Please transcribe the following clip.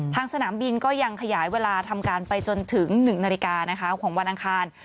สนามบินก็ยังขยายเวลาทำการไปจนถึง๑นาฬิกานะคะของวันอังคาร